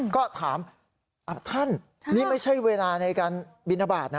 ก็ถามท่านนี่ไม่ใช่เวลาในการบินทบาทนะ